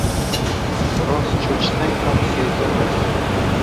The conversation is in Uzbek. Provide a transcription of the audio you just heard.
biroz cho‘chisang ham sezdirmaysan